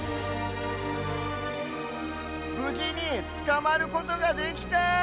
ぶじにつかまることができた。